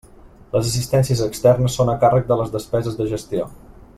Les assistències externes són a càrrec de les despeses de gestió.